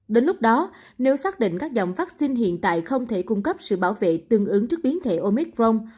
đến lúc đó nếu xác định các dòng vaccine hiện tại không thể cung cấp sự bảo vệ tương ứng trước biến thể omicron